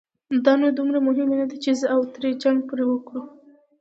دا نو دومره مهمه نه ده، چې زه او ترې پرې جنګ وکړو.